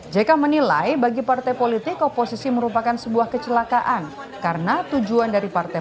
jk menilai bagi partai politik oposisi merupakan sebuah kecelakaan karena tujuan dari partai